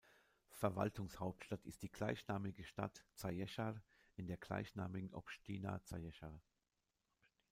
Verwaltungshauptstadt ist die gleichnamige Stadt Zaječar in der gleichnamigen Opština Zaječar.